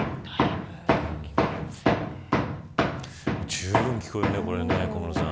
じゅうぶん聞こえるね小室さん。